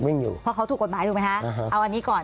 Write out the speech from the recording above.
อยู่เพราะเขาถูกกฎหมายถูกไหมคะเอาอันนี้ก่อน